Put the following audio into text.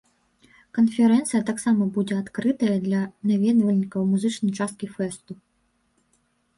Канферэнцыя таксама будзе адкрытая для наведвальнікаў музычнай часткі фэсту.